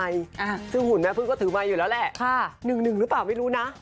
แล้วแม่พึ่งถือไม